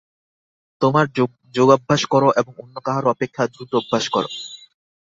তোমরা যোগাভ্যাস কর এবং অন্য কাহারও অপেক্ষা দ্রুত অভ্যাস কর।